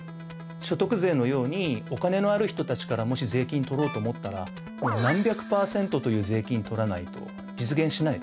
所得税のようにお金のある人たちからもし税金取ろうと思ったらもう何百％という税金取らないと実現しないですね。